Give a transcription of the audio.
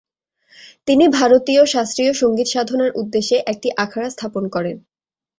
তিনি ভারতীয় শাস্ত্রীয় সঙ্গীত সাধনার উদ্দেশ্যে একটি আখড়া স্থাপন করেন।